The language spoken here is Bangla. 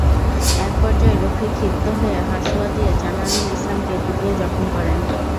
একপর্যায়ে রফিক ক্ষিপ্ত হয়ে হাঁসুয়া দিয়ে জানারুল ইসলামকে কুপিয়ে জখম করেন।